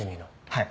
はい。